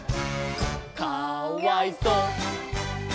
「かわいそ！」